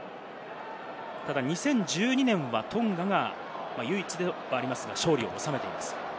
ただ２０１２年は、トンガが唯一ではありますが勝利を収めています。